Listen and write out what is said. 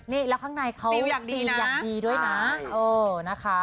นี่แล้วข้างในเขาซีลอย่างดีด้วยนะ